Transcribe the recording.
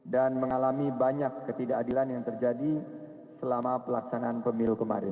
dan mengalami banyak ketidakadilan yang terjadi selama pelaksanaan pemilu kemarin